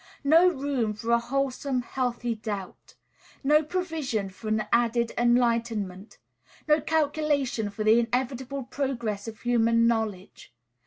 No room for a wholesome, healthy doubt? No provision for an added enlightenment? No calculation for the inevitable progress of human knowledge?